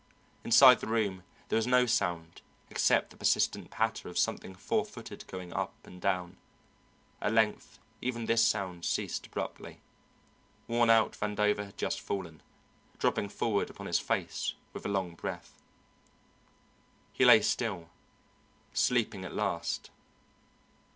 Inside the room there was no sound except the persistent patter of something four footed going up and down. At length even this sound ceased abruptly. Worn out, Vandover had just fallen, dropping forward upon his face with a long breath. He lay still, sleeping at last.